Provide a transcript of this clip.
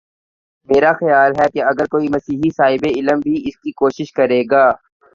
میرا خیال ہے کہ اگر کوئی مسیحی صاحب علم بھی اس کی کوشش کرے گا۔